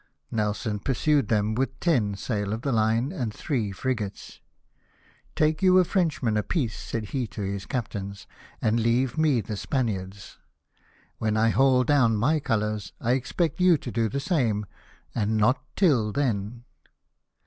Nelson pursued them with ten sail of the line and three frigates. '' Take you a Frenchman apiece," said he to his captains, " and leave me the Spaniards ; when I haul down my colours I expect you to do the same — and not till then."